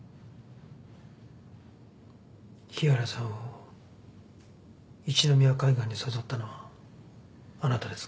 日原さんを一宮海岸に誘ったのはあなたですか？